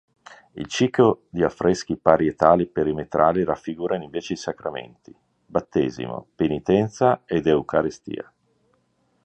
Il ciclo di affreschi parietali perimetrali raffigurano invece i sacramenti: battesimo, penitenza ed eucaristia.